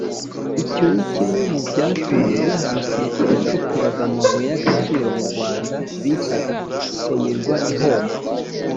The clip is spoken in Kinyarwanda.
icyo ni kimwe mu byatumye yasosiyete yacukuraga amabuye y'agaciro mu rwanda bitaga somirwa ihomba